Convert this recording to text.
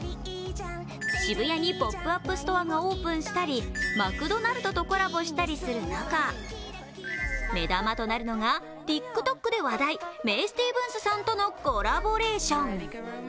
渋谷にポップアップストアがオープンしたりマクドナルドをコラボしたりする中、目玉となるのがＴｉｋＴｏｋで話題、メイ・スティーブンスさんとのコラボレーション。